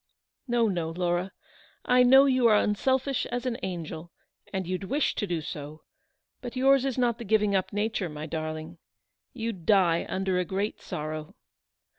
No, no, Laura. I know you are unselfish as an angel, and you'd wish to do so ; but yours is not the giving up nature, my darling. You'd die under a great sorrow."